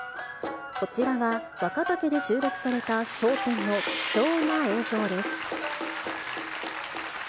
こちらが若竹で収録された笑点の貴重な映像です。